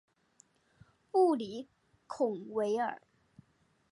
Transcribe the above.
布里孔维尔。